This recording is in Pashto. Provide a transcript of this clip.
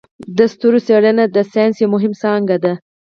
د ستورو څیړنه د ساینس یو مهم څانګی دی.